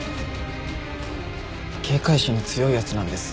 警戒心の強い奴なんです。